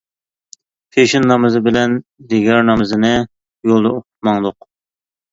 پېشىن نامىزى بىلەن دىگەر نامىزىنى يولدا ئوقۇپ ماڭدۇق.